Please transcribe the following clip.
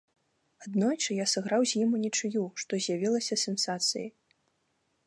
Аднойчы я сыграў з ім унічыю, што з'явілася сенсацыяй.